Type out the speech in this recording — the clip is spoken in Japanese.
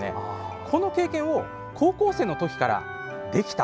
この経験を高校生のときからできた。